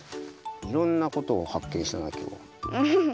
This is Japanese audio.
いろんなことをはっけんしたなきょうは。